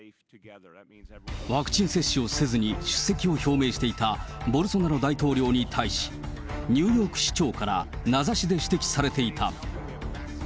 ワクチン接種をせずに出席を表明していたボルソナロ大統領に対し、ニューヨーク市長から名指しで指摘されていた。